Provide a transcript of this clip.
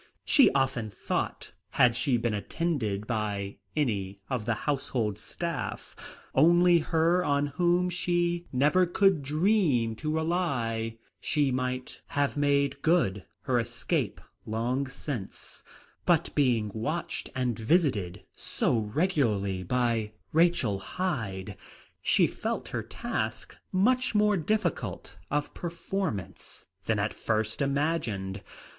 She often thought had she been attended by any of the household staff, only her on whom she never could dream to rely, she might have made good her escape long since; but being watched and visited so regularly by Rachel Hyde, she felt her task much more difficult of performance than at first imagined.